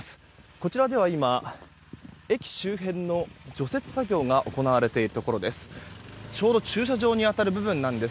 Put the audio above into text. こちらでは今駅周辺の除雪作業が行われているところです。